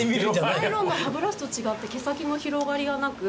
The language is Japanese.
ナイロンの歯ブラシと違って毛先の広がりがなく。